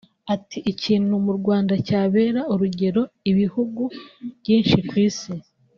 Ati “Ikintu mu Rwanda cyabera urugero ibihugu byinshi ku isi